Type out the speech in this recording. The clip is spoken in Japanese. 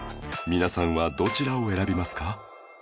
皆さんはどちらを選びますか？